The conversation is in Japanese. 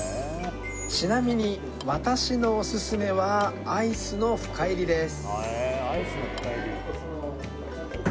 ちなみに私のオススメはアイスの深煎りです